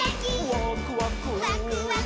「ワクワク」ワクワク。